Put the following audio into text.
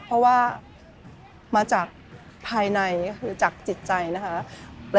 เพราะว่ามาจากภายในคือจากจิตใจนะคะ